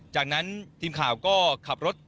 จากนั้นทีมข่าวก็ขับรถ